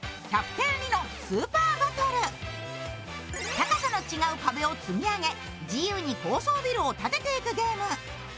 高さの違う壁を積み上げ自由に高層ビルを建てていくゲーム。